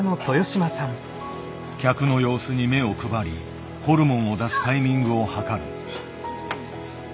客の様子に目を配りホルモンを出すタイミングを計る。